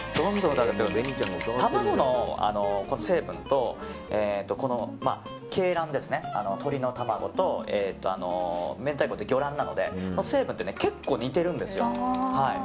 卵の成分と鶏卵、鶏の卵と明太子って魚卵なので成分が結構似てるんですよ。